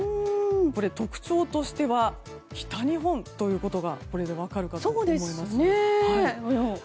特徴としては北日本ということがこれで分かるかと思います。